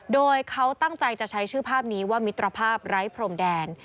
โดยเขาตั้งใจจะใช้ชื่อภาพนี้ว่ามิตรภาพไร้พรมแดน